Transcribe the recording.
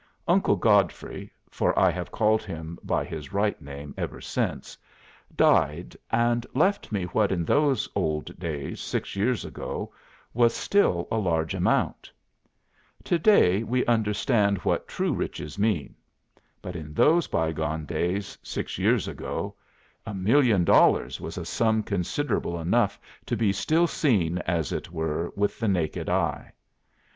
Uncle Godfrey (for I have called him by his right name ever since) died and left me what in those old days six years ago was still a large amount. To day we understand what true riches mean. But in those bygone times six years ago, a million dollars was a sum considerable enough to be still seen, as it were, with the naked eye.